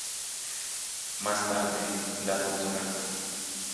Más tarde, la Dra.